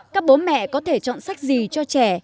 các bố mẹ có thể chọn sách gì cho trẻ